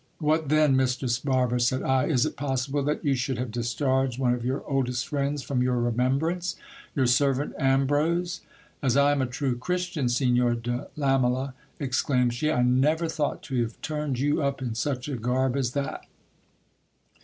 What then, mistress Barbara, said I, is it possible that you should have discharged one of your oldest friends from your remembrance, your servant Ambrose? As I am a true Christian, Signor de Lamela, ex claimed she, I never thought to have turned you up in such a garb as that.